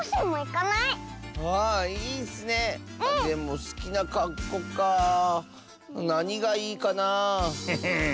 でもすきなかっこうかあなにがいいかな？へへ。